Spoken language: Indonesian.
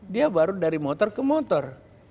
dia baru dari motor ke motor